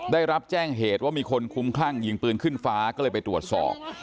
ได้รับแจ้งเหตุว่ามีคนคุ้มคลั่งยิงปืนขึ้นฟ้าก็เลยไปตรวจสอบ